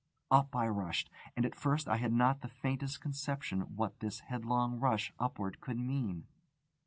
Up I rushed. And at first I had not the faintest conception what this headlong rush upward could mean.